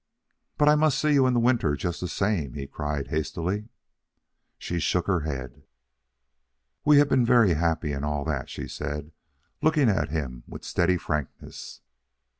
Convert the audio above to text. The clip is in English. "But I must see you in the winter just the same," he cried hastily. She shook her head. "We have been very happy and all that," she said, looking at him with steady frankness.